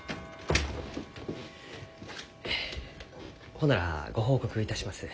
ほんならご報告いたします。